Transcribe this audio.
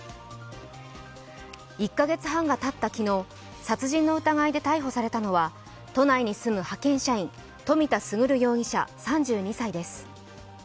１カ月半たった昨日、殺人の疑いで逮捕されたのは都内に住む派遣社員、冨田賢容疑者３２歳です。